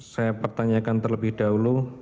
saya pertanyakan terlebih dahulu